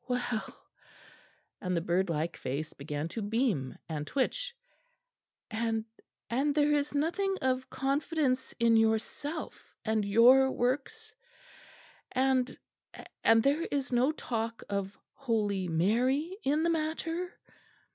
"Ah well," and the birdlike face began to beam and twitch, "and and there is nothing of confidence in yourself and your works and and there is no talk of Holy Mary in the matter?"